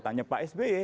tanya pak sby